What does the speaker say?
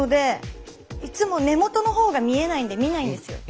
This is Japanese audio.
いつも根元の方が見えないんで見ないんですよ。